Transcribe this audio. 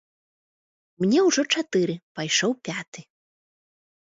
Мне ўжо чатыры, пайшоў пяты.